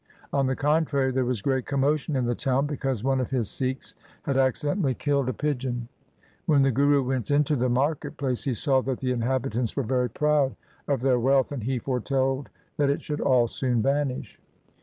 On the contrary, there was great commotion in the town because one of his Sikhs had accidentally killed a pigeon. When the Guru went into the market place he saw that the inhabitants were very proud of their wealth, and he foretold that it should all soon vanish.